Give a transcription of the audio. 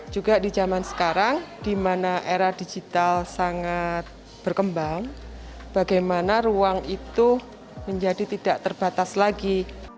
juga di zaman sekarang di mana era digital sangat berkembang bagaimana ruang itu menjadi tidak terbatas lagi